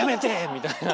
みたいな。